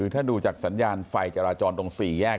ถ้าดูจากสัญญาณไฟจราจรตรง๔แยก